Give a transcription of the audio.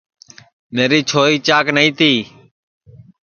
میری چھوری چاک نائی تی